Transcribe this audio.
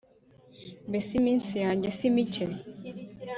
mbese iminsi yanjye si mike’